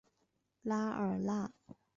拉尔纳。